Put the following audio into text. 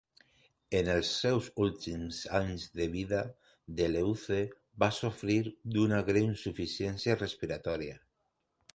En els seus últims anys de vida, Deleuze va sofrir d'una greu insuficiència respiratòria.